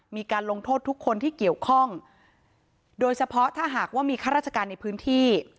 มีการลงโทษทุกคนที่เกี่ยวข้องโดยเฉพาะถ้าหากว่ามีข้าราชการในพื้นที่